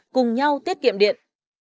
cùng nhau tiết kiệm điện